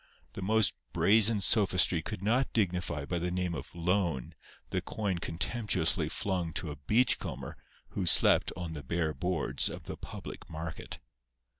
The most brazen sophistry could not dignify by the name of "loan" the coin contemptuously flung to a beachcomber who slept on the bare boards of the public market.